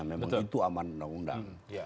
memang itu aman undang undang